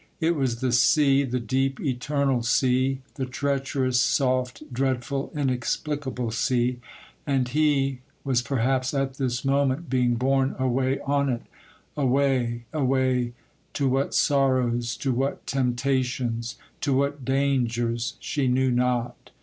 It was the sea,—the deep, eternal sea,—the treacherous, soft, dreadful, inexplicable sea; and he was perhaps at this moment being borne away on it,—away, away,—to what sorrows, to what temptations, to what dangers, she knew not.